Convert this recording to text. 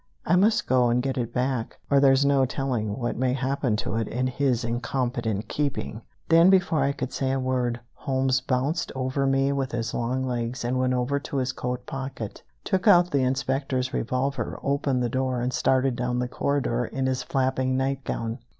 I must go and get it back, or there's no telling what may happen to it in his incompetent keeping!" Then, before I could say a word, Holmes bounced over me with his long legs, went over to his coat pocket, took out the Inspector's revolver, opened the door, and started down the corridor, in his flapping nightgown.